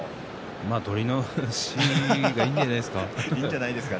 取り直しがいいんじゃないですか。